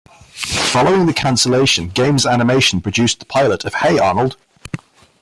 Following the cancellation, Games Animation produced the pilot of Hey Arnold!